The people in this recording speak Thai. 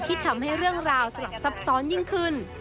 ที่ทำให้เรื่องราวสลับซับซ้อนยิ่งขึ้น